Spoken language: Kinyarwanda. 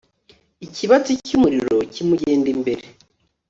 ikibatsi cy'umuriro kimugenda imbere